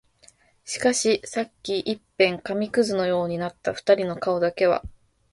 しかし、さっき一片紙屑のようになった二人の顔だけは、